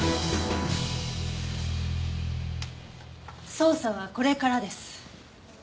捜査はこれからです。